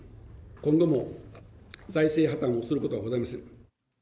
今後も財政破綻をすることはございません。